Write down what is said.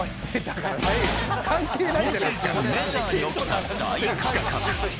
今シーズン、メジャーに起きた大改革。